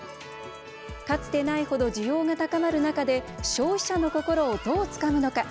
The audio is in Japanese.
かつてない程、需要が高まる中で消費者の心を、どうつかむのか。